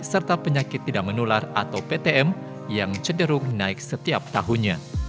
serta penyakit tidak menular atau ptm yang cenderung naik setiap tahunnya